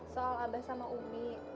soal abah sama umi